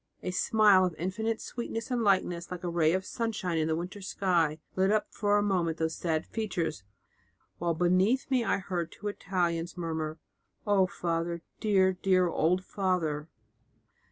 A smile of infinite sweetness and kindness, like a ray of sunshine in a winter sky, lit up for a moment those sad features, while beneath me I heard two Italians murmur, 'O Father, dear, dear old Father!'"